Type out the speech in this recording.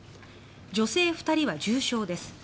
女性２人は重傷です。